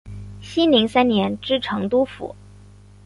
熙宁三年知成都府。